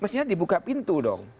mestinya dibuka pintu dong